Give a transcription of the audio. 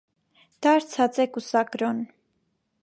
Դարձած է կուսակրօն։